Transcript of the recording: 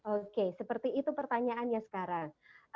oke seperti itu pertanyaannya sekarang